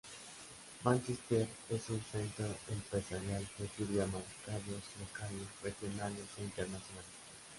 Mánchester es un centro empresarial que sirve a mercados locales, regionales e internacionales.